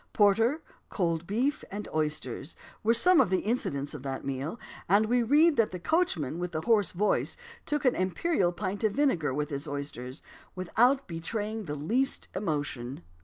"Porter, cold beef, and oysters," were some of the incidents of that meal, and we read that "the coachman with the hoarse voice took an imperial pint of vinegar with his oysters, without betraying the least emotion."